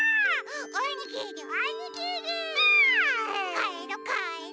かえろかえろ！